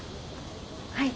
はい。